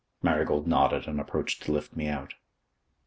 Marigold nodded and approached to lift me out.